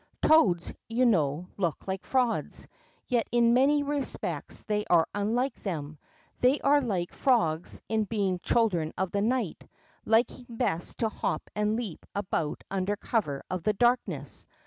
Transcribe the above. Toads, you know, look like frogs, yet in many respects they are unlike them. They are like frogs in being children of the night," liking best to hop and leap about under cover of the darkness.